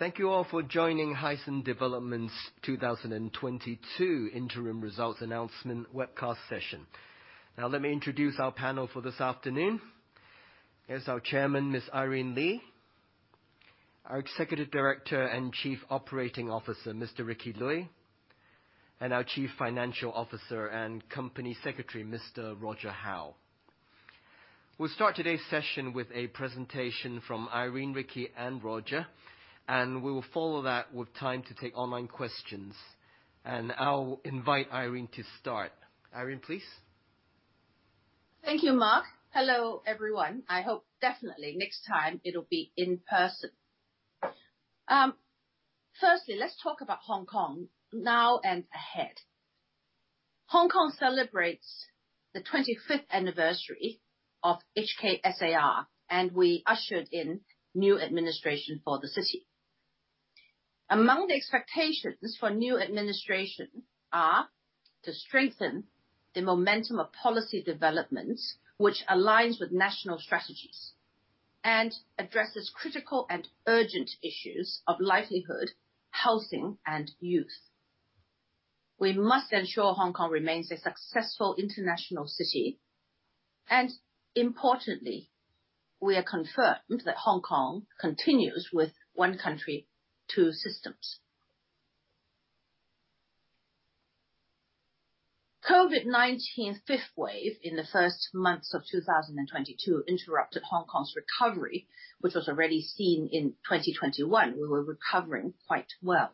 Thank you all for joining Hysan Development's 2022 interim results announcement webcast session. Now, let me introduce our panel for this afternoon. Here's our Chairman, Ms. Irene Lee. Our Executive Director and Chief Operating Officer, Mr. Ricky Lui, and our Chief Financial Officer and Company Secretary, Mr. Roger Choi. We'll start today's session with a presentation from Irene, Ricky, and Roger, and we will follow that with time to take online questions. I'll invite Irene to start. Irene, please. Thank you, Mark. Hello, everyone. I hope definitely next time it'll be in person. Firstly, let's talk about Hong Kong now and ahead. Hong Kong celebrates the 25th anniversary of HKSAR, and we ushered in new administration for the city. Among the expectations for new administration are to strengthen the momentum of policy development, which aligns with national strategies and addresses critical and urgent issues of livelihood, housing, and youth. We must ensure Hong Kong remains a successful international city, and importantly, we are confident that Hong Kong continues with 1 country, 2 systems. COVID-19 5th wave in the first months of 2022 interrupted Hong Kong's recovery, which was already seen in 2021. We were recovering quite well.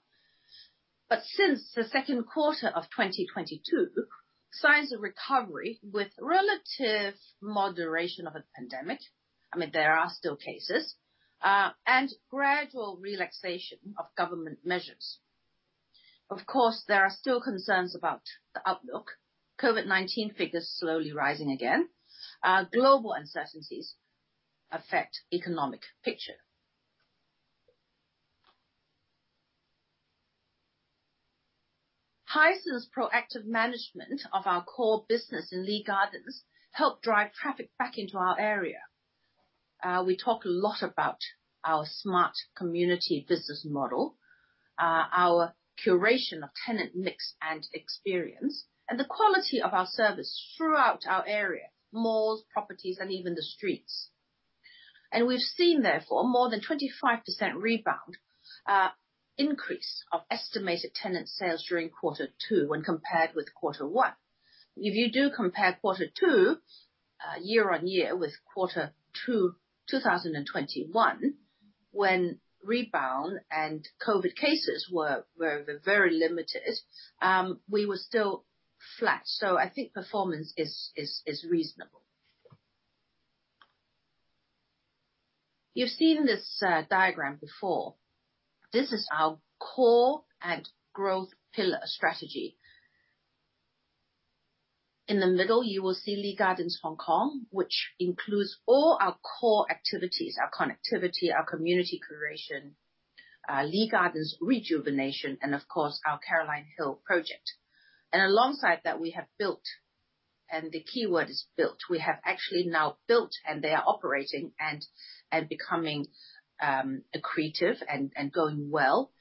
Since the Q2 of 2022, signs of recovery with relative moderation of the pandemic. I mean, there are still cases, and gradual relaxation of government measures. Of course, there are still concerns about the outlook. COVID-19 figures slowly rising again. Global uncertainties affect economic picture. Hysan's proactive management of our core business in Lee Gardens help drive traffic back into our area. We talk a lot about our smart community business model, our curation of tenant mix and experience, and the quality of our service throughout our area, malls, properties, and even the streets. We've seen, therefore, more than 25% rebound, increase of estimated tenant sales during Q2 when compared with Q1. If you do compare Q2 year-on-year with Q2 2021, when rebound and COVID cases were very limited, we were still flat. I think performance is reasonable. You've seen this diagram before. This is our core and growth pillar strategy. In the middle, you will see Lee Gardens Hong Kong, which includes all our core activities, our connectivity, our community curation, Lee Gardens rejuvenation, and of course, our Caroline Hill project. Alongside that, we have built, and the key word is built. We have actually now built, and they are operating and becoming accretive and going well.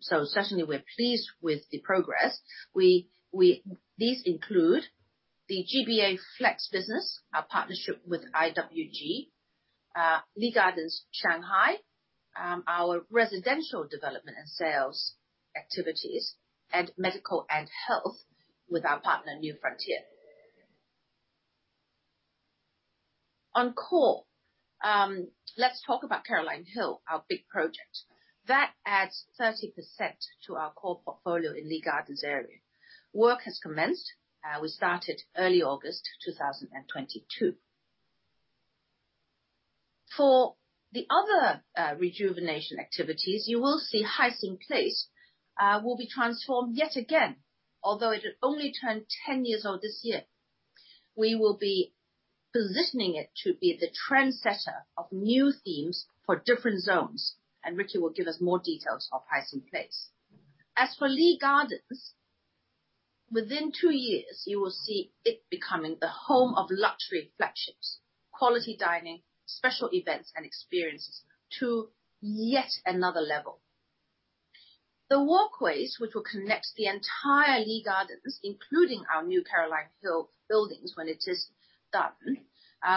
Certainly we're pleased with the progress. These include the GBA Flex Business, our partnership with IWG, Lee Gardens Shanghai, our residential development and sales activities, and medical and health with our partner, New Frontier. On core, let's talk about Caroline Hill, our big project. That adds 30% to our core portfolio in Lee Gardens area. Work has commenced, we started early August 2022. For the other, rejuvenation activities, you will see Hysan Place will be transformed yet again, although it only turned 10 years old this year. We will be positioning it to be the trendsetter of new themes for different zones, and Ricky will give us more details of Hysan Place. As for Lee Gardens, within 2 years, you will see it becoming the home of luxury flagships, quality dining, special events and experiences to yet another level. The walkways which will connect the entire Lee Gardens, including our new Caroline Hill buildings when it is done,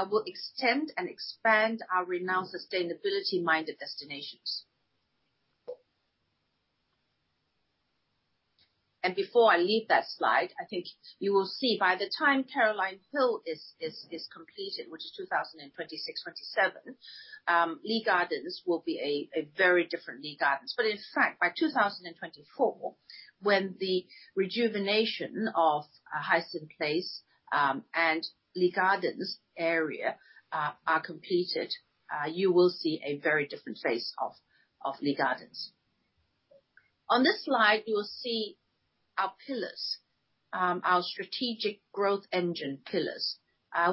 will extend and expand our renowned sustainability-minded destinations. Before I leave that slide, I think you will see by the time Caroline Hill is completed, which is 2026 to 2027, Lee Gardens will be a very different Lee Gardens. In fact, by 2024, when the rejuvenation of Hysan Place and Lee Gardens area are completed, you will see a very different face of Lee Gardens. On this slide, you will see our pillars, our strategic growth engine pillars.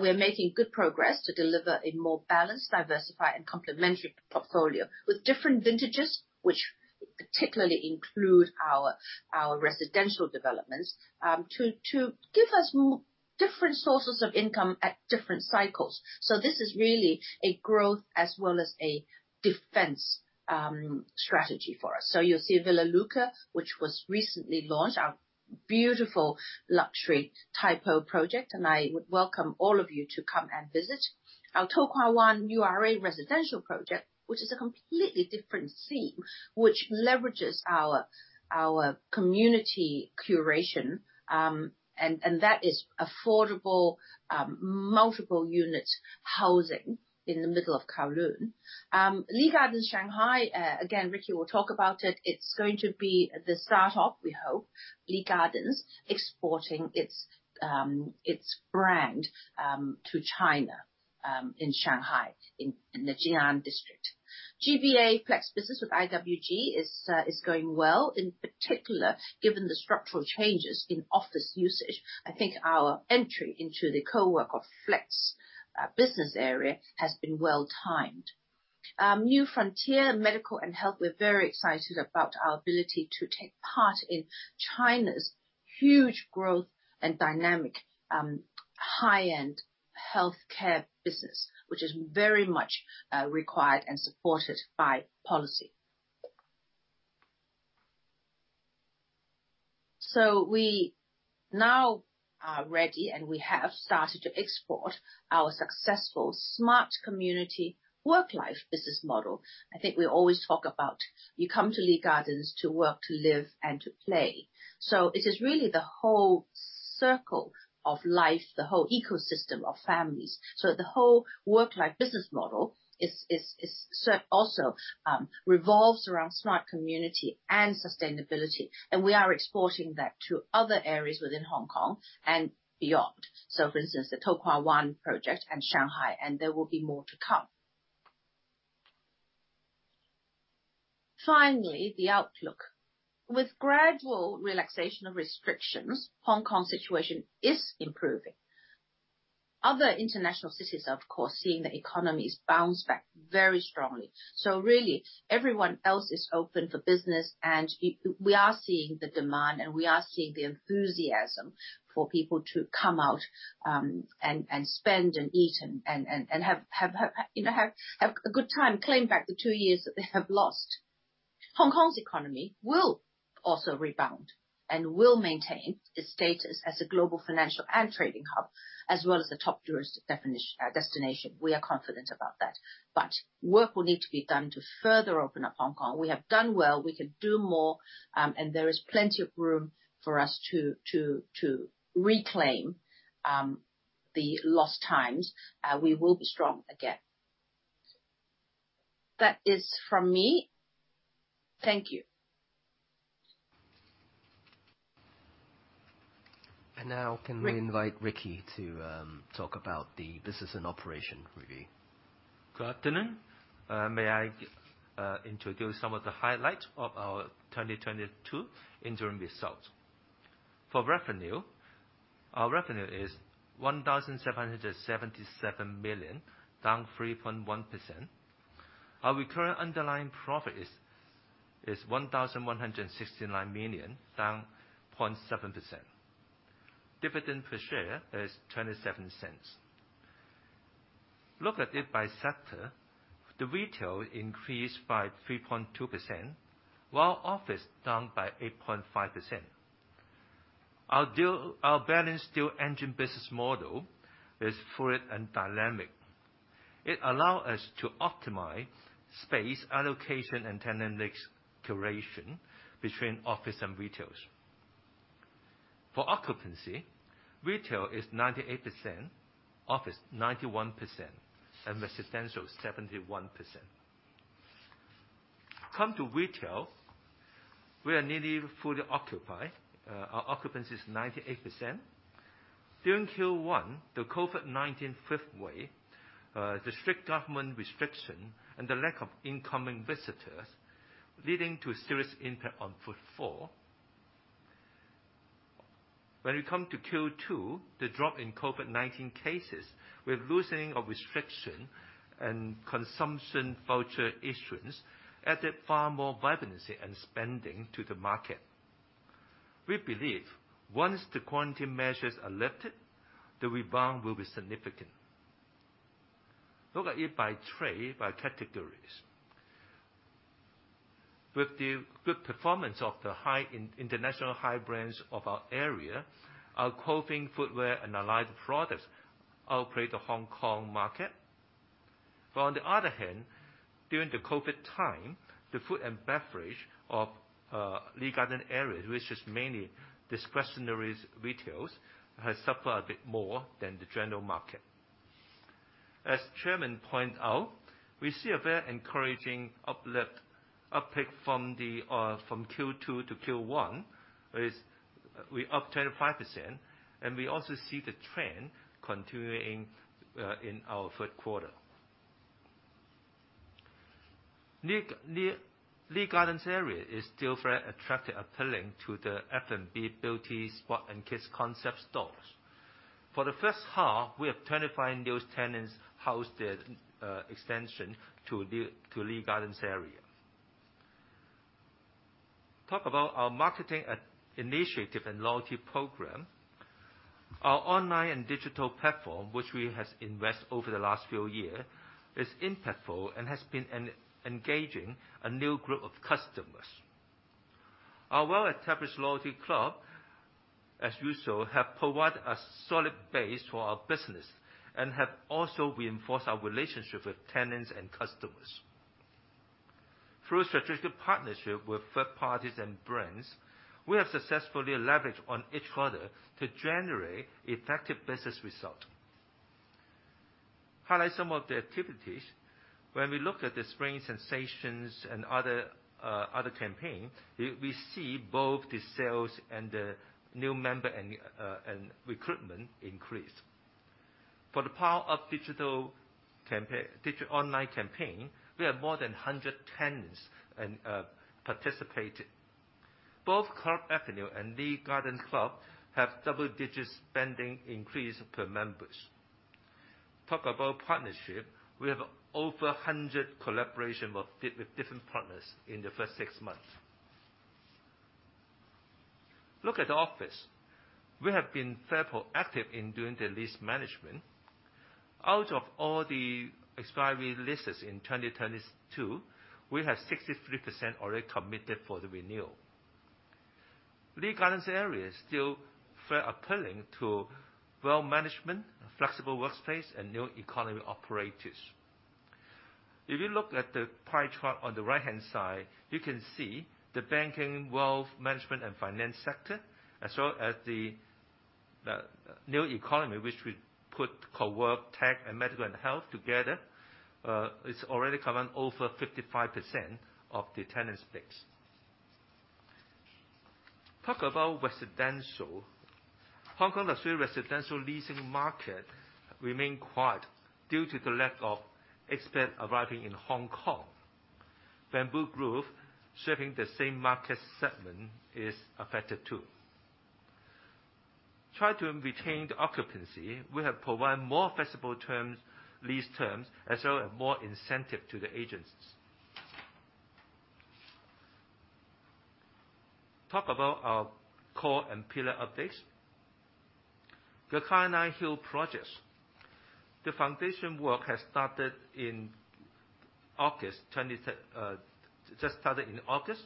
We are making good progress to deliver a more balanced, diversified, and complementary portfolio with different vintages, which particularly include our residential developments, to give us different sources of income at different cycles. This is really a growth as well as a defense strategy for us. You'll see Villa Lucca, which was recently launched, our beautiful luxury type of project, and I would welcome all of you to come and visit. Our To Kwa Wan URA residential project, which is a completely different theme, which leverages our community curation, and that is affordable multiple unit housing in the middle of Kowloon. Lee Gardens Shanghai, again, Ricky will talk about it. It's going to be the start of, we hope, Lee Gardens exporting its brand to China in Shanghai, in the Jing'an district. GBA Flex business with IWG is going well. In particular, given the structural changes in office usage, I think our entry into the co-working flex business area has been well timed. New Frontier Group, we're very excited about our ability to take part in China's huge growth and dynamic, high-end healthcare business, which is very much, required and supported by policy. We now are ready, and we have started to export our successful smart community work life business model. I think we always talk about you come to Lee Gardens to work, to live, and to play. It is really the whole circle of life, the whole ecosystem of families. The whole work life business model is sort of also revolves around smart community and sustainability. We are exporting that to other areas within Hong Kong and beyond. For instance, the To Kwa Wan project and Shanghai, and there will be more to come. Finally, the outlook. With gradual relaxation of restrictions, Hong Kong's situation is improving. Other international cities, of course, seeing the economies bounce back very strongly. Really everyone else is open for business. We are seeing the demand and we are seeing the enthusiasm for people to come out, and spend and eat and have you know a good time, claim back the 2 years that they have lost. Hong Kong's economy will also rebound and will maintain its status as a global financial and trading hub, as well as the top tourist destination. We are confident about that. Work will need to be done to further open up Hong Kong. We have done well. We can do more. There is plenty of room for us to reclaim the lost times. We will be strong again. That is from me. Thank you. Now can we invite Ricky to talk about the business and operations review. Good afternoon. May I introduce some of the highlights of our 2022 interim results. For revenue, our revenue is 1,777 million, down 3.1%. Our recurrent underlying profit is 1,169 million, down 0.7%. Dividend per share is 0.27. Look at it by sector. The retail increased by 3.2%, while office down by 8.5%. Our balanced dual engine business model is fluid and dynamic. It allow us to optimize space allocation and tenant mix curation between office and retails. For occupancy, retail is 98%, office 91%, and residential 71%. Come to retail, we are nearly fully occupied. Our occupancy is 98%. During Q1, the COVID-19 5th wave, the strict government restriction and the lack of incoming visitors leading to a serious impact on footfall. When we come to Q2, the drop in COVID-19 cases with loosening of restriction and consumption voucher issuance added far more vibrancy and spending to the market. We believe once the quarantine measures are lifted, the rebound will be significant. Look at it by trade, by categories. With the good performance of the high-end international brands of our area, our clothing, footwear and allied products outperformed the Hong Kong market. On the other hand, during the COVID time, the food and beverage of Lee Gardens areas, which is mainly discretionary retail, has suffered a bit more than the general market. As Chairman pointed out, we see a very encouraging uplift, uptick from Q2 to Q1, with we up 10% and 5%, and we also see the trend continuing in our Q3. Lee Gardens area is still very attractive, appealing to the F&B, beauty, spa, and kids concept stores. For the H1, we have 25 new tenants housed at extension to the Lee Gardens area. Talking about our marketing initiatives and loyalty program. Our online and digital platform, which we have invest over the last few years, is impactful and has been engaging a new group of customers. Our well-established loyalty club, as usual, have provided a solid base for our business and have also reinforced our relationship with tenants and customers. Through strategic partnership with third parties and brands, we have successfully leveraged on each quarter to generate effective business result. Highlight some of the activities. When we look at the Spring Sensations and other campaign, we see both the sales and the new member and recruitment increase. For the power of digital online campaign, we have more than 100 tenants participated. Both Club Avenue and Lee Gardens Club have double-digit spending increase per members. Talk about partnership. We have over 100 collaboration with different partners in the first 6 months. Look at the office. We have been very proactive in doing the lease management. Out of all the expiry leases in 2022, we have 63% already committed for the renewal. Lee Gardens area is still very appealing to wealth management, flexible workspace, and new economy operators. If you look at the pie chart on the right-hand side, you can see the banking, wealth, management, and finance sector, as well as the new economy which we put co-work, tech, and medical and health together, it's already covering over 55% of the tenant space. Talk about residential. Hong Kong luxury residential leasing market remained quiet due to the lack of expats arriving in Hong Kong. Bamboo Grove, serving the same market segment, is affected too. Try to retain the occupancy, we have provided more flexible terms, lease terms, as well as more incentive to the agents. Talk about our core and pillar updates. The Caroline Hill projects. The foundation work has started in August, just started in August,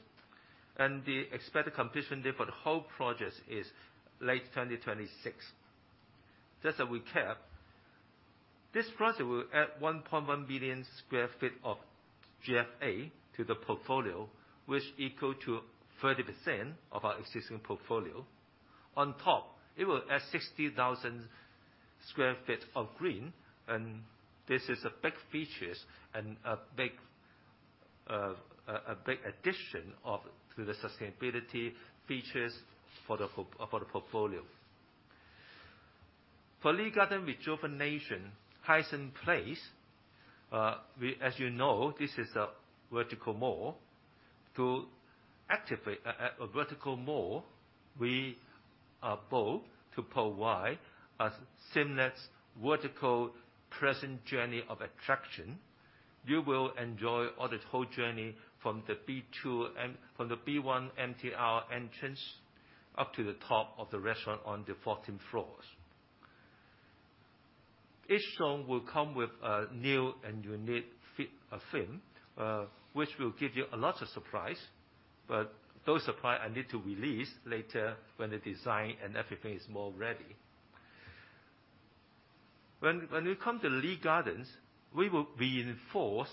and the expected completion date for the whole project is late 2026. Just a recap, this project will add 1.1 billion square feet of GFA to the portfolio, which equal to 30% of our existing portfolio. On top, it will add 60,000 square feet of green, and this is a big features and a big addition to the sustainability features for the portfolio. For Lee Gardens rejuvenation, Hysan Place, as you know, this is a vertical mall. To activate a vertical mall, we are proud to provide a seamless vertical pleasant journey of attraction. You will enjoy all the whole journey from the B1 MTR entrance up to the top of the restaurant on the 14th floors. Each zone will come with a new and unique theme, which will give you a lot of surprise, but those surprise I need to release later when the design and everything is more ready. When you come to Lee Gardens, we will reinforce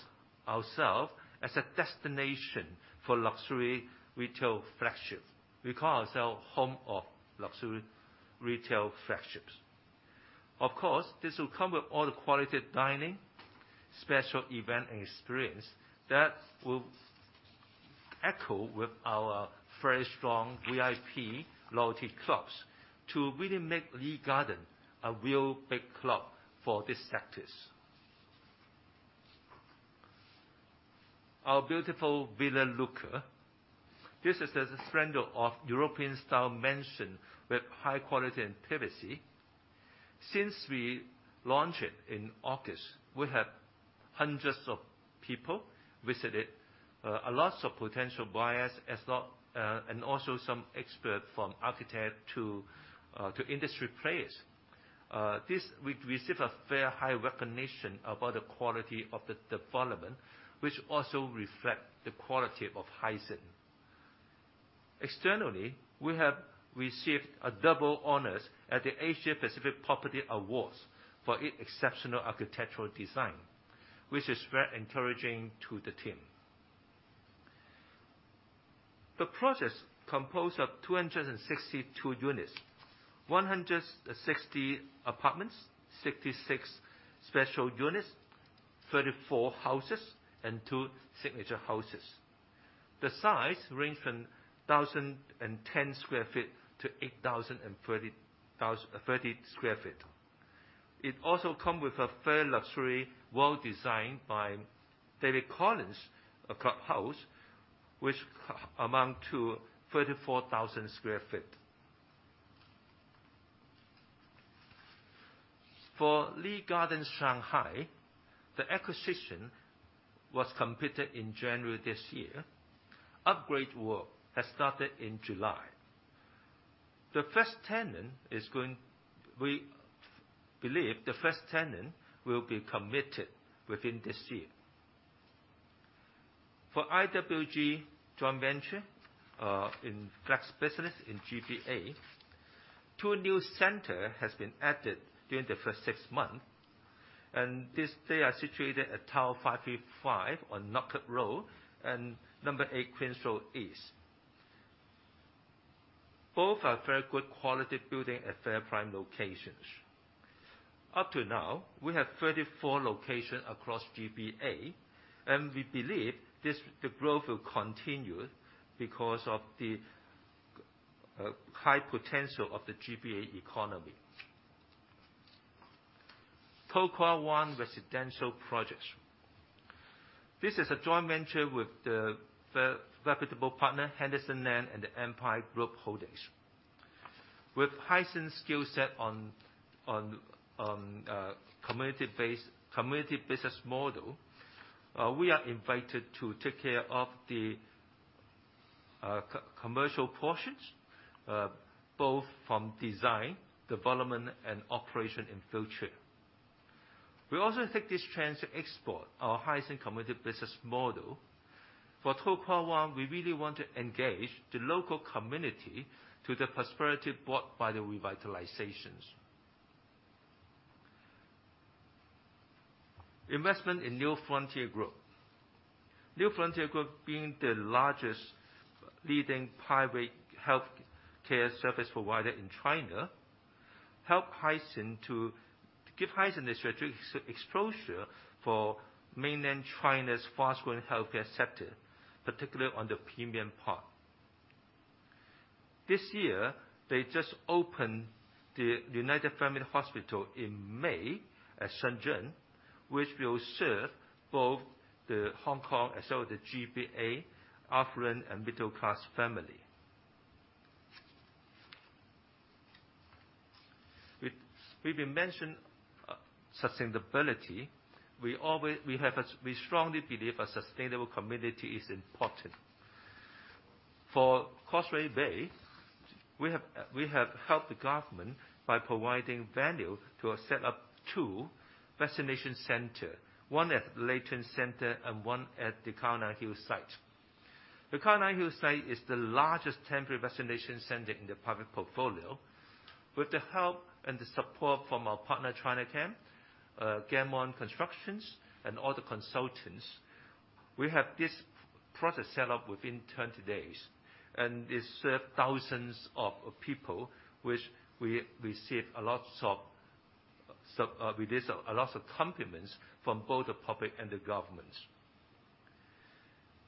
ourselves as a destination for luxury retail flagship. We call ourselves home of luxury retail flagships. Of course, this will come with all the quality dining, special event and experience that will echo with our very strong VIP loyalty clubs to really make Lee Gardens a real big club for these sectors. Our beautiful Villa Lucca. This is a splendor of European style mansion with high quality and privacy. Since we launched it in August, we have hundreds of people visit it, a lot of potential buyers as well, and also some expert from architect to industry players. This we receive a very high recognition about the quality of the development, which also reflect the quality of Hysan. Externally, we have received a double honors at the Asia Pacific Property Awards for its exceptional architectural design, which is very encouraging to the team. The project composed of 262 units, 160 apartments, 66 special units, 34 houses, and 2 signature houses. The size range from 1,010 sq ft to 8,030 sq ft. It also come with a very luxurious, well-designed by David Collins, a club house, which amount to 34,000 sq ft. For Lee Gardens Shanghai, the acquisition was completed in January this year. Upgrade work has started in July. The first tenant is going. We believe the first tenant will be committed within this year. For IWG joint venture in flex business in GBA, 2 new centers have been added during the first 6 months. They are situated at Tower 535 on Jaffe Road and 8 Queen's Road East. Both are very good quality buildings and very prime locations. Up to now, we have 34 locations across GBA, and we believe the growth will continue because of the high potential of the GBA economy. To Kwa Wan residential projects. This is a joint venture with the reputable partner, Henderson Land and Empire Group Holdings. With Hysan skill set on community business model, we are invited to take care of the commercial portions both from design, development, and operation in future. We also take this chance to export our Hysan community business model. For To Kwa Wan, we really want to engage the local community to the prosperity brought by the revitalizations. Investment in New Frontier Group. New Frontier Group being the largest leading private healthcare service provider in China, help Hysan give Hysan the strategic exposure for mainland China's fast-growing healthcare sector, particularly on the premium part. This year, they just opened the United Family Hospital in May at Shenzhen, which will serve both Hong Kong as well as the GBA affluent and middle-class family. We've mentioned sustainability. We strongly believe a sustainable community is important. For Causeway Bay, we have helped the government by providing value to set up 2 vaccination center, 1 at Leighton Centre and 1 at the Caroline Hill site. The Caroline Hill site is the largest temporary vaccination center in the public portfolio. With the help and the support from our partner, Chinachem, Gammon Construction, and other consultants, we have this process set up within 10 days. This served thousands of people which we receive a lot of compliments from both the public and the governments.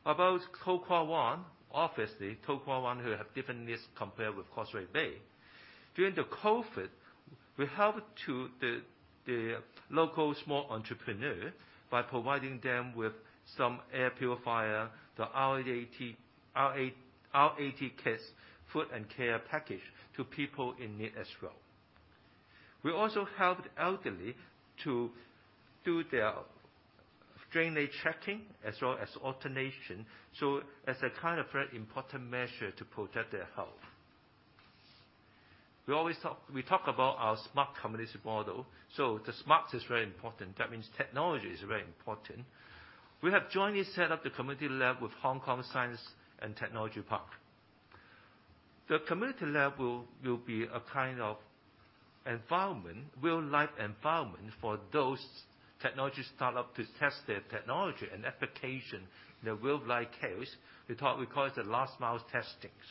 About To Kwa Wan, obviously, To Kwa Wan who have different needs compared with Causeway Bay. During COVID-19, we helped the local small entrepreneur by providing them with some air purifier, the RAT kits, food and care package to people in need as well. We also helped elderly to do their drainage checking as well as alternation. As a kind of very important measure to protect their health. We always talk about our smart communities model, the smart is very important. That means technology is very important. We have jointly set up the community lab with Hong Kong Science and Technology Parks Corporation. The community lab will be a kind of environment, real-life environment for those technology startups to test their technology and application in a real-life case. We call it the last mile testings,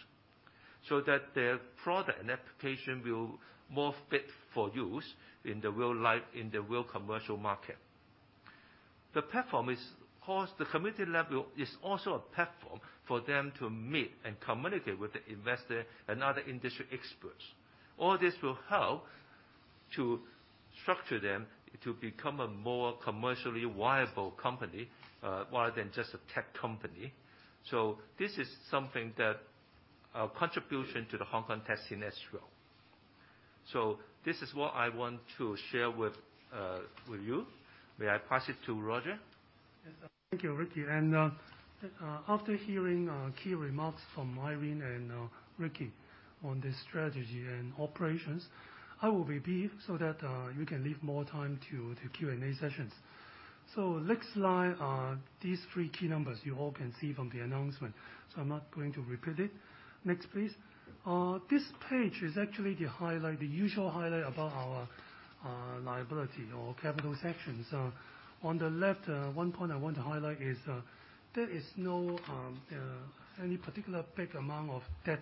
so that their product and application will be more fit for use in the real life, in the real commercial market. Of course, the community lab is also a platform for them to meet and communicate with the investor and other industry experts. All this will help to structure them to become a more commercially viable company, rather than just a tech company. This is something that's a contribution to the Hong Kong tech scene as well. This is what I want to share with you. May I pass it to Roger? Yes. Thank you, Ricky. After hearing key remarks from Irene and Ricky on the strategy and operations, I will be brief so that you can leave more time to Q&A sessions. Next slide are these 3 key numbers you all can see from the announcement. I'm not going to repeat it. Next, please. This page is actually the highlight, the usual highlight about our liability or capital sections. On the left, 1 point I want to highlight is there is no any particular big amount of debt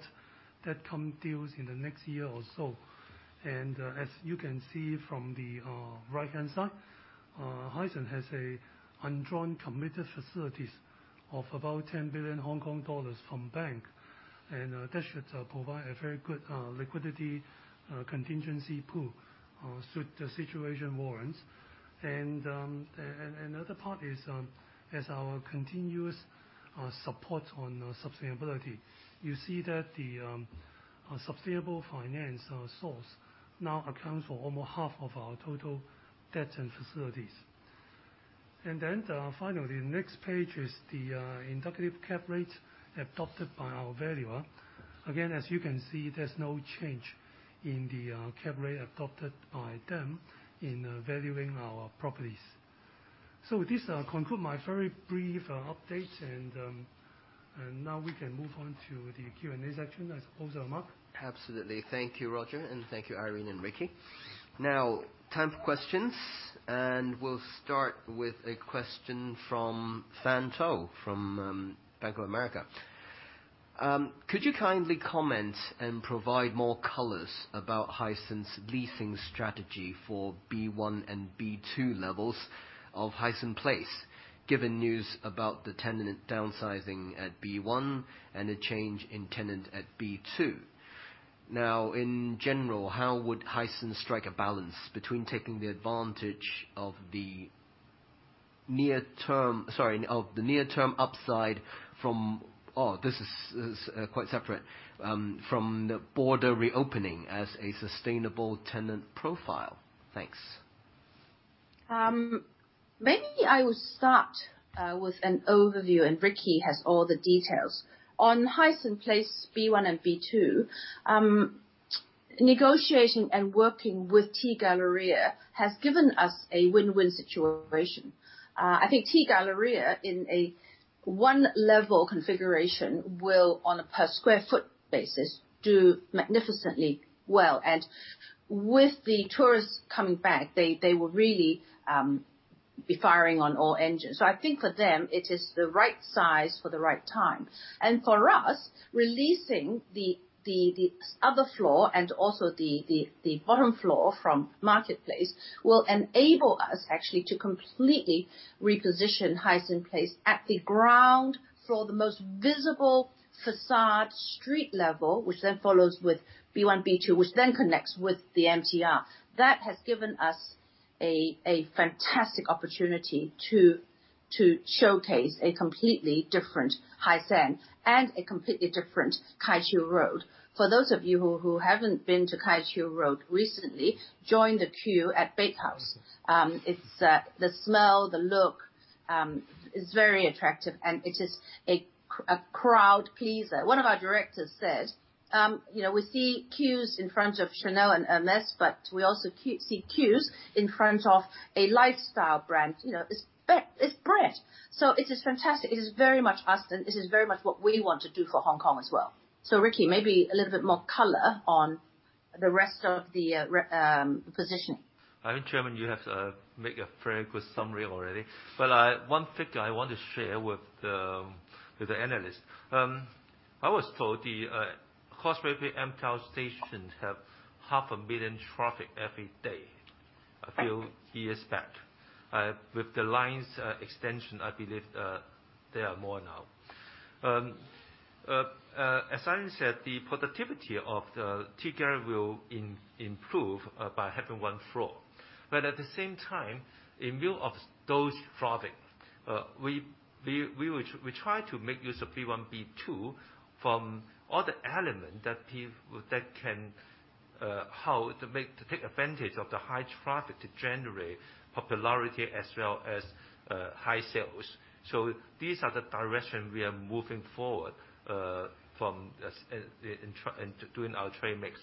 that comes due in the next year or so. As you can see from the right-hand side, Hysan has an undrawn committed facilities. Of about 10 billion Hong Kong dollars from bank. That should provide a very good liquidity contingency pool, should the situation warrants. Another part is as our continuous support on sustainability. You see that the sustainable finance source now accounts for almost half of our total debts and facilities. Finally, the next page is the indicative cap rate adopted by our valuer. Again, as you can see, there's no change in the cap rate adopted by them in valuing our properties. With this, I'll conclude my very brief update and now we can move on to the Q&A section I suppose, Mark. Absolutely. Thank you, Roger, and thank you Irene and Ricky. Now, time for questions, and we'll start with a question from Fan Tso from Bank of America. Could you kindly comment and provide more colors about Hysan's leasing strategy for B1 and B2 levels of Hysan Place, given news about the tenant downsizing at B1 and a change in tenant at B2? Now, in general, how would Hysan strike a balance between taking the advantage of the near term upside from the border reopening as a sustainable tenant profile? Thanks. Maybe I will start with an overview, and Ricky has all the details. On Hysan Place B1 and B2, negotiating and working with T Galleria has given us a win-win situation. I think T Galleria in a 1-level configuration will, on a per square foot basis, do magnificently well. With the tourists coming back, they will really be firing on all engines. I think for them it is the right size for the right time. For us, releasing the other floor and also the bottom floor from Market Place will enable us actually to completely reposition Hysan Place at the ground floor, the most visible facade street level, which then follows with B1, B2, which then connects with the MTR. That has given us a fantastic opportunity to showcase a completely different Hysan and a completely different Kai Chiu Road. For those of you who haven't been to Kai Chiu Road recently, join the queue at Bakehouse. It's the smell, the look, is very attractive and it is a crowd pleaser. One of our directors said, you know, we see queues in front of Chanel and Hermès, but we also see queues in front of a lifestyle brand. You know, it's bread. It is fantastic. It is very much us, and this is very much what we want to do for Hong Kong as well. Ricky, maybe a little bit more color on the rest of the positioning. I think, Chairman, you have make a very good summary already. 1 figure I want to share with the analysts. I was told the Causeway Bay MTR station have 500,000 traffic every day a few years back. With the line's extension, I believe, they are more now. As Irene said, the productivity of the T Galleria will improve by having 1 floor. At the same time, in light of those traffic, we try to make use of B1, B2 from other element that can to take advantage of the high traffic to generate popularity as well as high sales. These are the direction we are moving forward from as in try in doing our trade mix.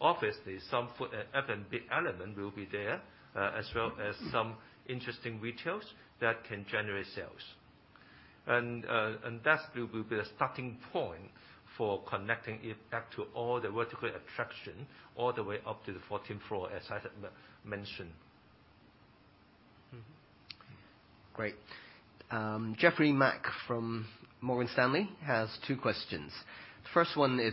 Obviously some F&B element will be there, as well as some interesting retail that can generate sales. That will be the starting point for connecting it back to all the vertical attraction all the way up to the 14th floor, as I had mentioned. Great. Jeffrey Mak from Morgan Stanley has 2 questions. First one is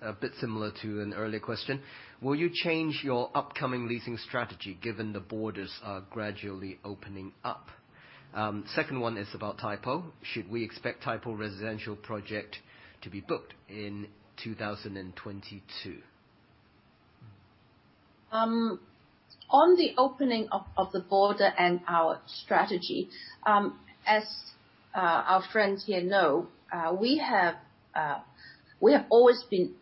a bit similar to an earlier question. Will you change your upcoming leasing strategy given the borders are gradually opening up? Second one is about Tai Po. Should we expect Tai Po residential project to be booked in 2022? On the opening of the border and our strategy, as our friends here know, we have always been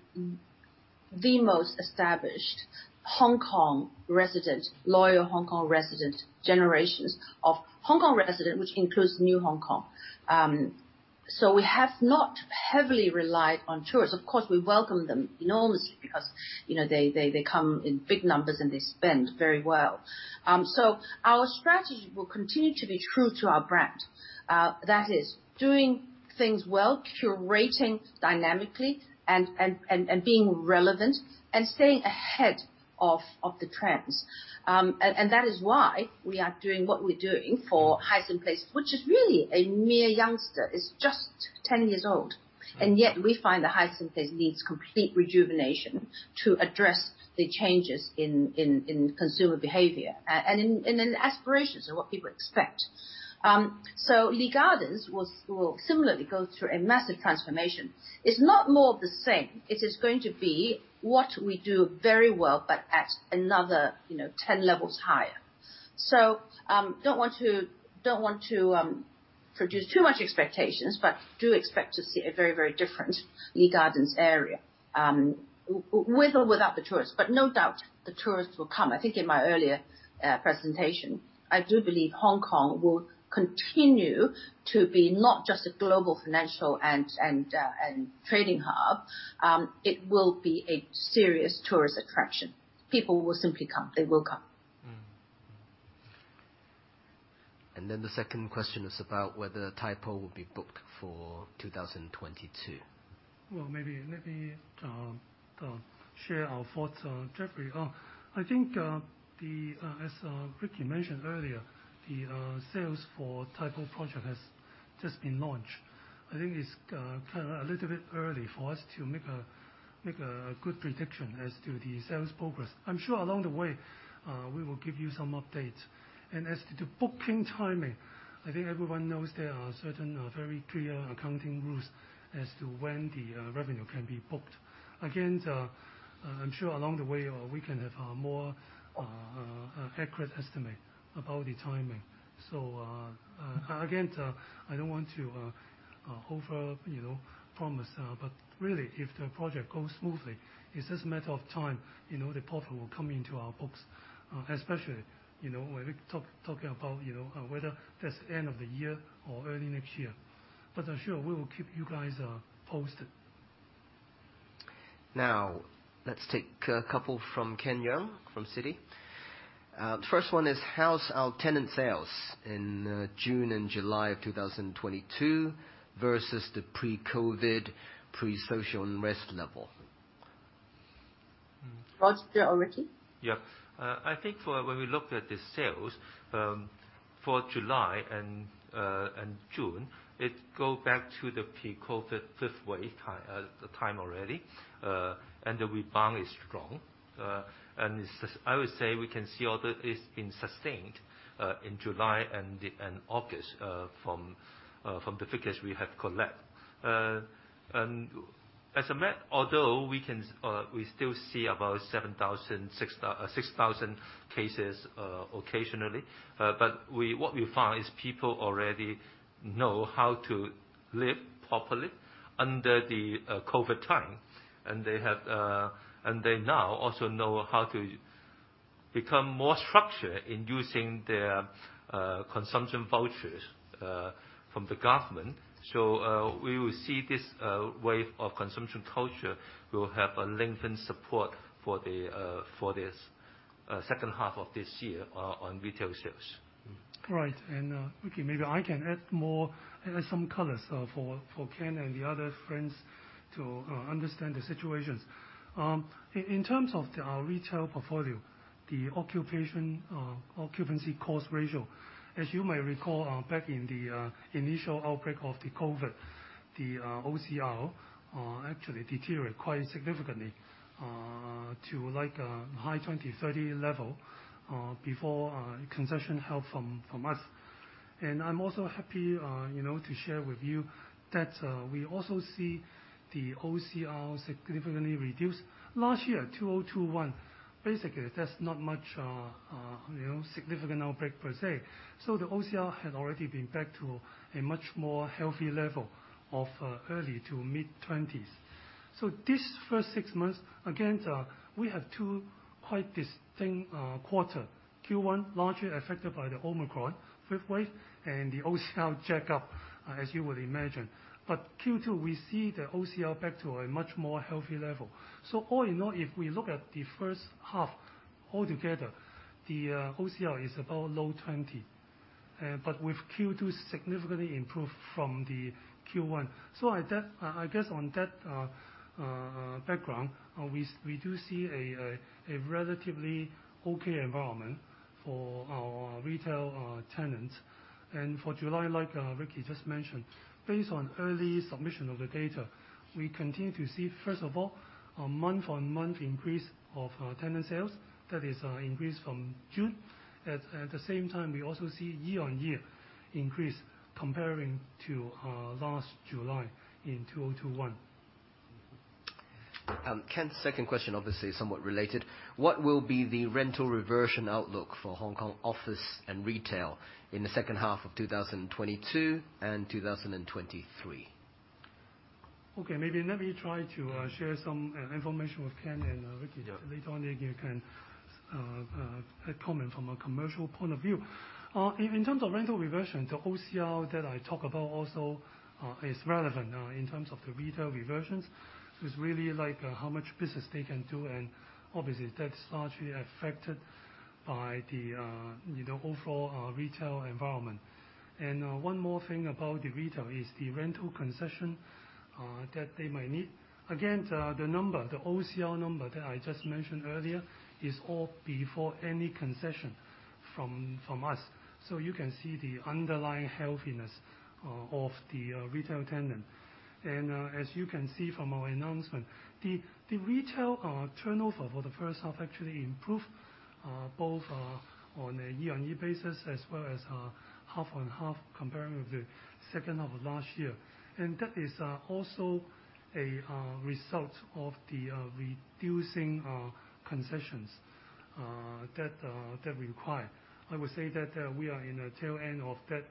the most established Hong Kong resident, loyal Hong Kong resident, generations of Hong Kong resident, which includes new Hong Kong. We have not heavily relied on tourists. Of course, we welcome them enormously because, you know, they come in big numbers, and they spend very well. Our strategy will continue to be true to our brand. That is doing things well, curating dynamically and being relevant and staying ahead of the trends. That is why we are doing what we're doing for Hysan Place, which is really a mere youngster. It's just 10 years old. Yet we find Hyatt Centric needs complete rejuvenation to address the changes in consumer behavior. In aspirations of what people expect. Lee Gardens will similarly go through a massive transformation. It's not more of the same, it is going to be what we do very well but at another, you know, 10 levels higher. Don't want to produce too much expectations, but do expect to see a very, very different Lee Gardens area. With or without the tourists, but no doubt the tourists will come. I think in my earlier presentation, I do believe Hong Kong will continue to be not just a global financial and trading hub, it will be a serious tourist attraction. People will simply come. They will come. The second question is about whether Tai Po will be booked for 2022. Well, maybe, let me share our thoughts on Jeffrey. I think, as Ricky mentioned earlier, the sales for Tai Po project have just been launched. I think it's kind of a little bit early for us to make a good prediction as to the sales progress. I'm sure along the way we will give you some updates. As to the booking timing, I think everyone knows there are certain very clear accounting rules as to when the revenue can be booked. Again, I'm sure along the way we can have a more accurate estimate about the timing. Again, I don't want to overpromise, but really, if the project goes smoothly, it's just a matter of time, you know, the portfolio will come into our books, especially, you know, when we talk about, you know, whether that's end of the year or early next year. Sure, we will keep you guys posted. Now, let's take a couple from Ken Yeung, from Citi. First one is how's our tenant sales in June and July of 2022 versus the pre-COVID, pre-social unrest level? Roger or Ricky? Yeah. I think for when we look at the sales for July and June, it goes back to the pre-COVID 5th wave time already, and the rebound is strong. It's just I would say we can see although it's been sustained in July and August from the figures we have collected. Although we still see about 7,000, 6,000 cases occasionally, but what we found is people already know how to live properly under the COVID time. They now also know how to become more structured in using their consumption vouchers from the government. We will see this wave of consumption culture will have a lengthened support for this H2 of this year on retail sales. Right. Okay, maybe I can add more, add some colors for Ken and the other friends to understand the situations. In terms of our retail portfolio, the occupancy cost ratio, as you may recall, back in the initial outbreak of the COVID, the OCR actually deteriorate quite significantly to like high 20 to 30 level before concession help from us. I'm also happy, you know, to share with you that we also see the OCR significantly reduced. Last year, 2021, basically that's not much significant outbreak per se. The OCR had already been back to a much more healthy level of early- to mid-20's. This first 6 months, again, we have 2 quite distinct quarter. Q1 largely affected by the Omicron 5th wave and the OCR jack up, as you would imagine. Q2, we see the OCR back to a much more healthy level. All in all, if we look at the H1 altogether, the OCR is about low 20%. With Q2 significantly improved from the Q1. At that, I guess on that background, we do see a relatively okay environment for our retail tenants. For July, like Ricky just mentioned, based on early submission of the data, we continue to see, first of all, a month-on-month increase of tenant sales. That is an increase from June. At the same time, we also see year-on-year increase comparing to last July in 2021. Ken's second question obviously is somewhat related. What will be the rental reversion outlook for Hong Kong office and retail in the H2 of 2022 and 2023? Okay, maybe let me try to share some information with Ken and Ricky. Yeah. Later on, you can comment from a commercial point of view. In terms of rental reversion, the OCR that I talk about also is relevant in terms of the retail reversions. It's really like how much business they can do, and obviously that's largely affected by the you know, overall retail environment. 1 more thing about the retail is the rental concession that they might need. Again, the number, the OCR number that I just mentioned earlier, is all before any concession from us. You can see the underlying healthiness of the retail tenant. As you can see from our announcement, the retail turnover for the H1 actually improved, both on a year-on-year basis, as well as 50/50 comparing with the H2 of last year. That is also a result of the reduction in concessions. I would say that we are in the tail end of that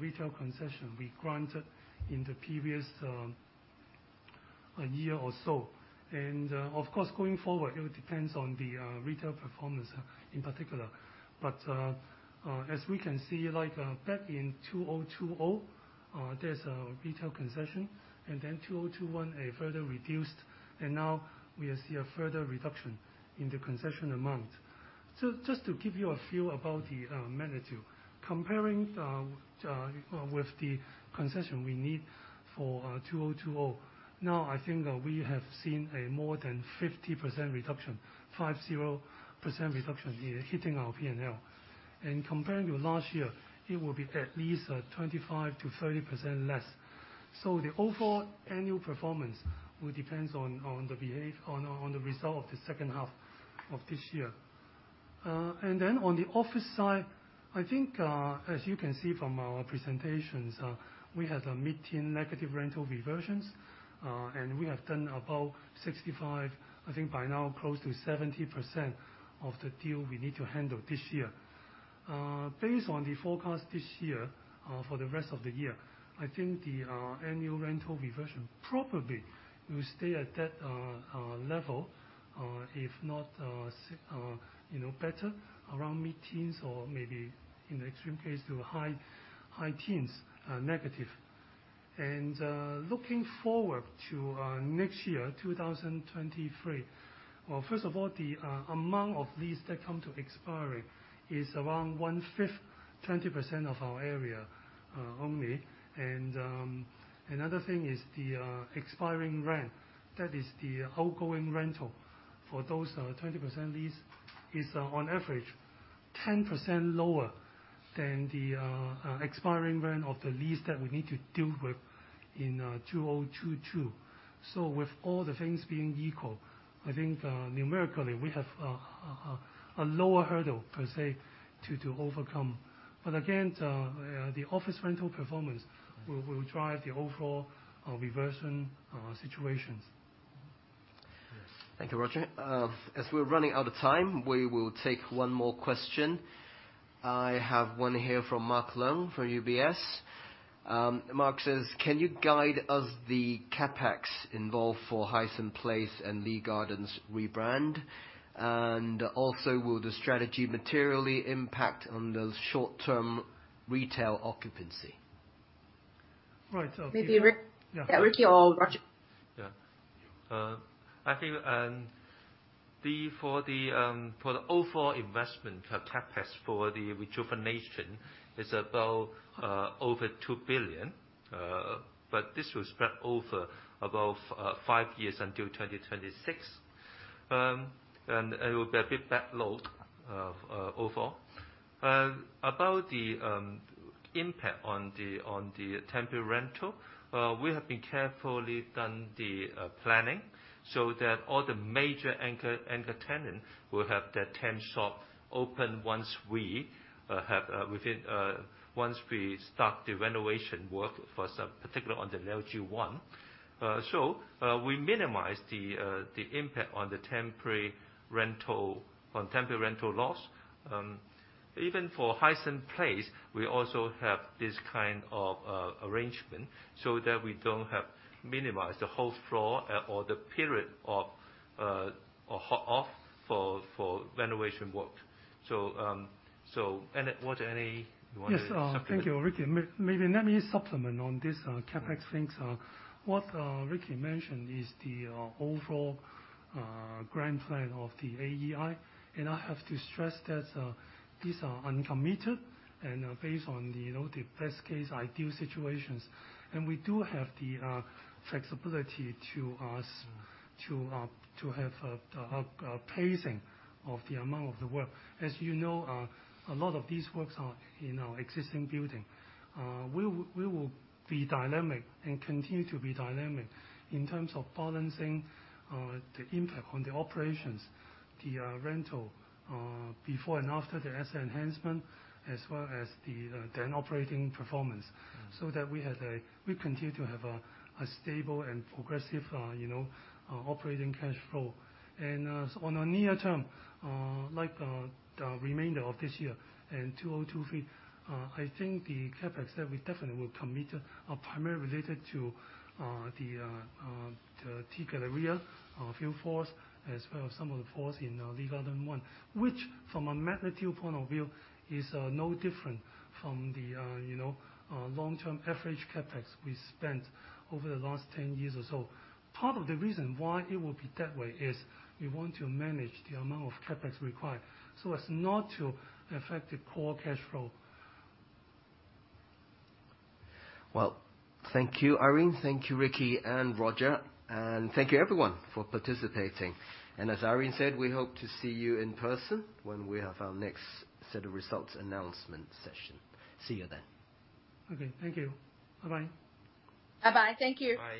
retail concession we granted in the previous year or so. Of course, going forward, it depends on the retail performance in particular. As we can see, like, back in 2020, there's a retail concession, and then 2021 a further reduction. Now we see a further reduction in the concession amount. Just to give you a feel about the magnitude. Comparing with the concession we need for 2020, now I think we have seen a more than 50% reduction here hitting our P&L. Comparing to last year, it will be at least 25% to 30% less. The overall annual performance will depend on the result of the H2 of this year. On the office side, I think as you can see from our presentations, we had a mid-teen negative rental reversions. We have done about 65, I think by now close to 70% of the deal we need to handle this year. Based on the forecast this year, for the rest of the year, I think the annual rental reversion probably will stay at that level, if not, you know, better around mid-teens or maybe in extreme case to high teens negative. Looking forward to next year, 2023. Well, first of all, the amount of lease that come to expiry is around 1/5, 20% of our area only. Another thing is the expiring rent. That is the outgoing rental for those 20% lease is on average 10% lower than the expiring rent of the lease that we need to deal with in 2022. With all the things being equal, I think numerically, we have a lower hurdle per se to overcome. Again, the office rental performance will drive the overall reversion situations. Yes. Thank you, Roger. As we're running out of time, we will take 1 more question. I have 1 here from Mark Leung from UBS. Mark says, "Can you guide us the CapEx involved for Hysan Place and Lee Gardens rebrand? And also, will the strategy materially impact on the short-term retail occupancy? Right. I'll take- Maybe Ri- Yeah. Yeah, Ricky or Roger. Yeah. I think for the overall investment for CapEx for the rejuvenation is about over 2 billion. This was spread over about 5 years until 2026. It will be a bit back-loaded overall. About the impact on the temporary rental, we have been carefully done the planning so that all the major anchor tenant will have their temp shop open once we start the renovation work for some particular on the LG One. We minimize the impact on the temporary rental, on temporary rental loss. Even for Hysan Place, we also have this kind of arrangement so that we don't have to minimize the whole floor or the period of office for renovation work. Roger, anything you wanted to supplement? Yes. Thank you, Ricky. Maybe let me supplement on this, CapEx things. What Ricky mentioned is the overall grand plan of the AEI. I have to stress that these are uncommitted and are based on, you know, the best case ideal situations. We do have the flexibility to us to have pacing of the amount of the work. As you know, a lot of these works are in our existing building. We will be dynamic and continue to be dynamic in terms of balancing the impact on the operations, the rental before and after the asset enhancement, as well as the then operating performance. Mm-hmm. that we continue to have a stable and progressive operating cash flow. In the near term, like, the remainder of this year and 2023, I think the CapEx that we definitely will commit are primarily related to the T Galleria fit-outs, as well as some of the fit-outs in Lee Gardens One, which from a magnitude point of view is no different from the long-term average CapEx we spent over the last 10 years or so. Part of the reason why it will be that way is we want to manage the amount of CapEx required so as not to affect the core cash flow. Well, thank you, Irene. Thank you, Ricky and Roger. Thank you everyone for participating. As Irene said, we hope to see you in person when we have our next set of results announcement session. See you then. Okay, thank you. Bye-bye. Bye-bye. Thank you. Bye.